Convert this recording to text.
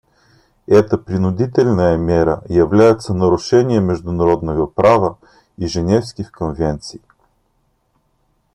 Эта принудительная мера является нарушением международного права и Женевских конвенций.